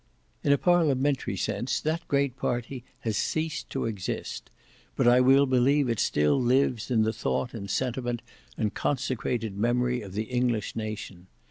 In a parliamentary sense, that great party has ceased to exist; but I will believe it still lives in the thought and sentiment and consecrated memory of the English nation.